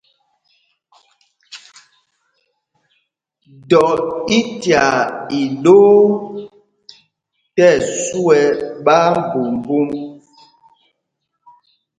Dɔ í tyaa iɗoo tí ɛsu ɛ ɓáámbumbūm.